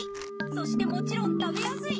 そしてもちろん食べやすい！